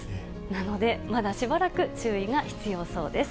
なので、まだしばらく注意が必要そうです。